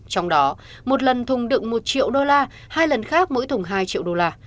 trong đó một lần thùng đựng một triệu đô la hai lần khác mỗi thùng hai triệu đô la